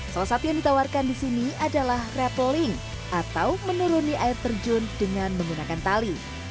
salah satu yang ditawarkan di sini adalah rapeling atau menuruni air terjun dengan menggunakan tali